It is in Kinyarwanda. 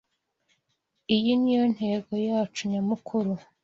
Iyi niyo ntego yacu nyamukuru.